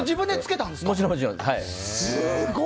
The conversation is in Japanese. もちろんです。